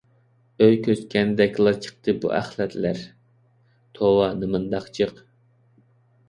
ئۆي كۆچكەندەكلا چىقتى بۇ ئەخلەتلەر. توۋا نېمانداق جىق!